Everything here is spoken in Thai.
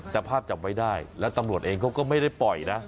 จับภาพจับไว้ได้แล้วตำรวจเองเขาก็ไม่ได้ปล่อยนะ